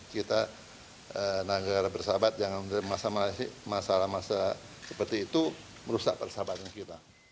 kita negara bersahabat jangan masalah masalah seperti itu merusak persahabatan kita